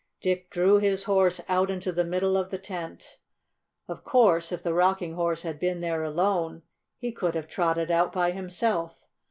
Dick drew his horse out into the middle of the tent. Of course if the Rocking Horse had been there alone he could have trotted out by himself.